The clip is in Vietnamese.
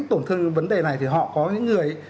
tổn thương vấn đề này thì họ có những người